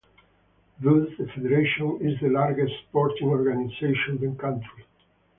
Thus the federation is the largest sporting organisation the country.